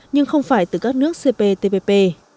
nhưng không phải từ các nước cptpp